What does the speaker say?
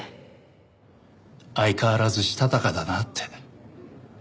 相変わらずしたたかだなって。